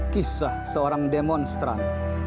kisah seorang demonstran